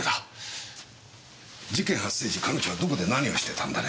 事件発生時彼女はどこで何をしてたんだね？